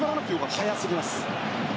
早すぎます。